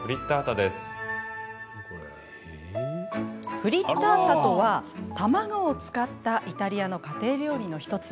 フリッタータとは卵を使ったイタリアの家庭料理の一つ。